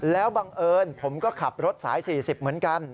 แล้วบังเอิญผมก็ขับรถสาย๔๐เหมือนกัน